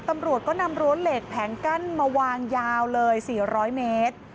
ตำรวจก็นำรั้วเหล็กแผงกั้นมาวางยาวเลย๔๐๐เมตร